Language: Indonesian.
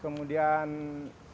kemudian sesuai dengan kepercayaan